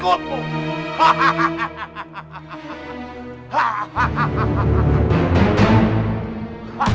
ayat servedir alatud islam